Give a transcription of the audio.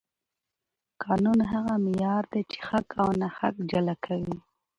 قانون هغه معیار دی چې حق او ناحق جلا کوي